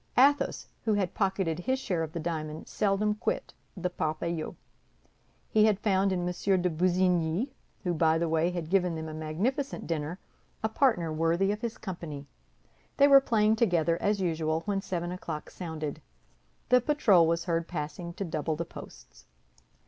Athos, who had pocketed his share of the diamond, seldom quit the Parpaillot. He had found in M. de Busigny, who, by the by, had given them a magnificent dinner, a partner worthy of his company. They were playing together, as usual, when seven o'clock sounded; the patrol was heard passing to double the posts.